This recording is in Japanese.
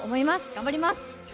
頑張ります。